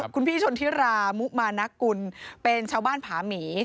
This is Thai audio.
คุณพี่ชนทิรามุมานักกุลเป็นชาวบ้านผาหมี